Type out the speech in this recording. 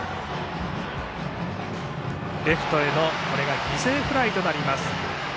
レフトへの犠牲フライとなります。